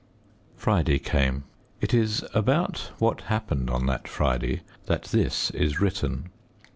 Friday came. It is about what happened on that Friday that this is written.